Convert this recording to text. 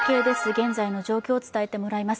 現在の状況を伝えてもらいます。